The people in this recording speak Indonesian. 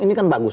ini kan bagus